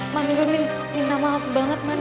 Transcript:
man gue minta maaf banget man